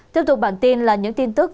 tiếp tục bản tin là những tin tức